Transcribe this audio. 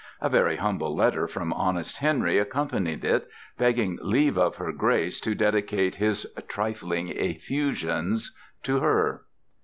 A very humble letter from honest Henry accompanied it, begging leave of her Grace to dedicate his "trifling effusions" to her.